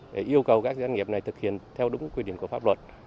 để yêu cầu các doanh nghiệp này thực hiện theo đúng quy định của pháp luật